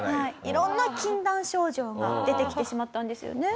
色んな禁断症状が出てきてしまったんですよね。